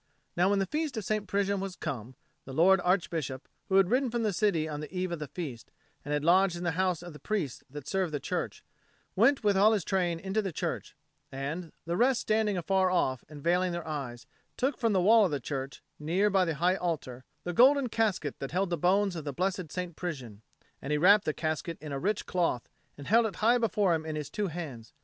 Now when the feast of St. Prisian was come, the Lord Archbishop, who had ridden from the city on the eve of the feast, and had lodged in the house of the priests that served the church, went with all his train into the church, and, the rest standing afar off and veiling their eyes, took from the wall of the church, near by the High Altar, the golden casket that held the bones of the blessed St. Prisian. And he wrapped the casket in a rich cloth and held it high before him in his two hands.